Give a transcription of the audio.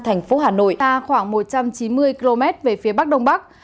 thành phố hà nội a khoảng một trăm chín mươi km về phía bắc đông bắc